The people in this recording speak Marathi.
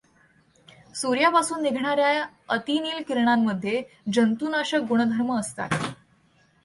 सूर्यापासून निघणार् या अतिनील किरणांमध्ये जंतूनाशक गुणधर्म असतात.